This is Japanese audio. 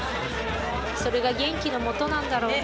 それが元気のもとなんだろうな。